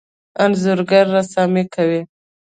انځورګر رسامي کوي.